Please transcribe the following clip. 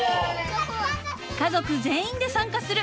［家族全員で参加する］